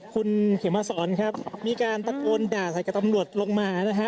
คุณเขมมาสอนครับมีการตะโกนด่าใส่กับตำรวจลงมานะฮะ